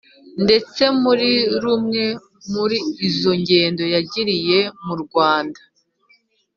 ndetse muri rumwe muri izo ngendo yagiriye mu rwanda,